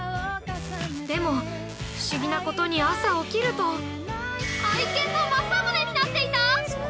でも、不思議なことに朝起きると愛犬のまさむねになっていた！？